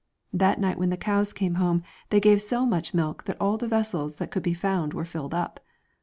That night when the cows came home they gave so much milk that all the vessels that could be found were filled up.